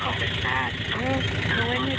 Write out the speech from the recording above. คุณผู้ชมหลายท่านที่ดูในออนไลน์